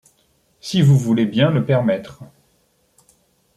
Si vous voulez bien le permettre